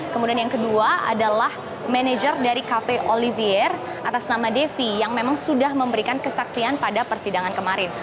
kemudian yang kedua adalah manajer dari cafe olivier atas nama devi yang memang sudah memberikan kesaksian pada persidangan kemarin